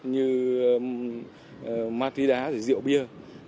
như ma trí đá rượu biển